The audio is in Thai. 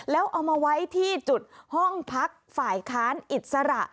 แล้วเอามาไว้ที่จุดห้องพักฝ่ายค้านอิสระ